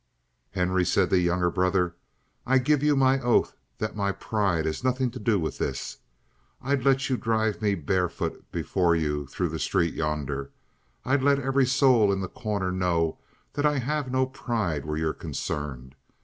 "Henry," said the younger brother, "I give you my oath that my pride has nothing to do with this. I'd let you drive me barefoot before you through the street yonder. I'd let every soul in The Corner know that I have no pride where you're concerned.